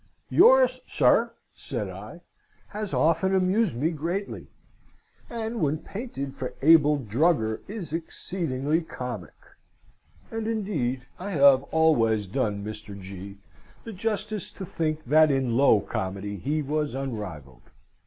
"Yours, sir!" said I, "has often amused me greatly; and when painted for Abel Drugger is exceedingly comic" and indeed I have always done Mr. G. the justice to think that in low comedy he was unrivalled.